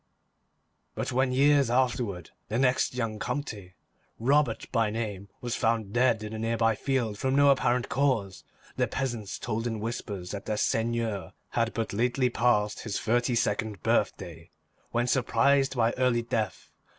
But when, years afterward, the next young Comte, Robert by name, was found dead in a nearby field from no apparent cause, the peasants told in whispers that their seigneur had but lately passed his thirty second birthday when surprised by early death.